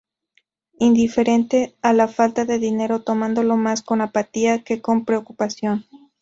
Indiferente a la falta de dinero, tomándolo más con apatía que con preocupación.